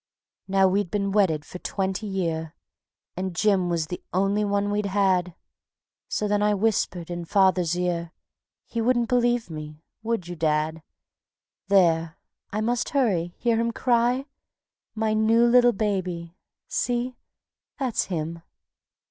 Now, we'd been wedded for twenty year, And Jim was the only one we'd had; So when I whispered in father's ear, He wouldn't believe me would you, dad? There! I must hurry ... hear him cry? My new little baby. ... See! that's him.